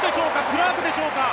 クラークでしょうか？